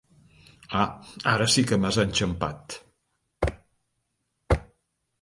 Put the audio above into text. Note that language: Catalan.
Ah, ara sí que m'has enxampat!